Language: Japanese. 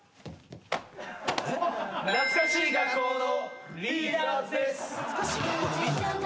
懐かしい学校のリーダーズです。